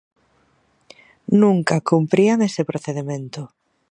Nunca cumprían ese procedemento.